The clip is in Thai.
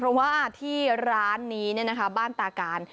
เพราะว่าที่ร้านนี้เนี่ยนะคะบ้านตาการ